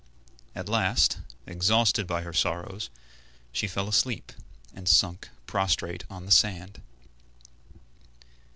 At last, exhausted by her sorrows, she fell asleep, and sunk prostrate on the sand.